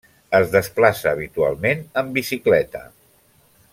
Es desplaça habitualment amb bicicleta.